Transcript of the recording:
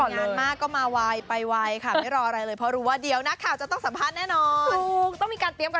งานมากก็มาไวไปไวค่ะไม่รออะไรเลยเพราะรู้ว่าเดี๋ยวนักข่าวจะต้องสัมภาษณ์แน่นอน